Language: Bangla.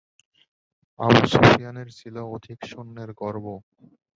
আবু সুফিয়ানের ছিল অধিক সৈন্যের গর্ব।